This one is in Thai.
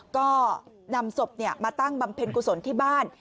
ก็นำศพมาตั้งบำเพ็ญกุศลที่บ้าน